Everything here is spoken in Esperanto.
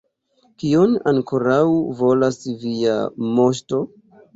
Kion ankoraŭ volas via moŝto?